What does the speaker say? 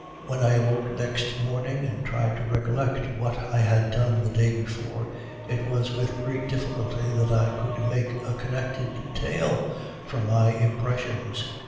"When I awoke next morning, and tried to recollect what I had done the day before, it was with great difficulty that I could make a connected tale from my impressions.